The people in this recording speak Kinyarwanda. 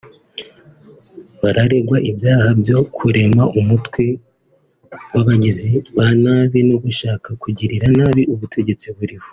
Bararegwa ibyaha byo kurema umutwe w’abagizi ba nabi no gushaka kugirira nabi ubutegetsi buriho